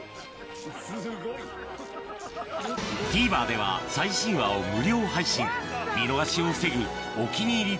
ＴＶｅｒでは最新話を無料配信見逃しを防ぐ「お気に入り」